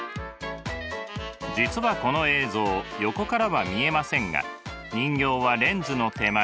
実はこの映像横からは見えませんが人形はレンズの手前